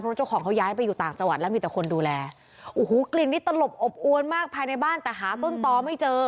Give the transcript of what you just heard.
เพราะเจ้าของเขาย้ายไปอยู่ต่างจังหวัดแล้วมีแต่คนดูแลโอ้โหกลิ่นนี้ตลบอบอวนมากภายในบ้านแต่หาต้นตอไม่เจอ